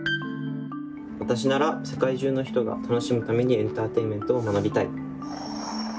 わたしなら世界中の人が楽しむためにエンターテインメントを学びたい。